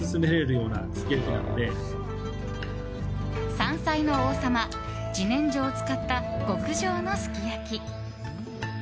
山菜の王様・自然薯を使った極上のすき焼き。